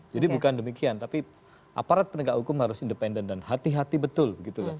jadi bukan demikian tapi aparat penegakan hukum harus independen dan hati hati betul gitu